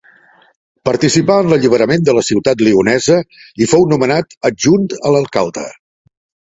Participà en l'alliberament de la ciutat lionesa i fou nomenat adjunt a l'alcalde.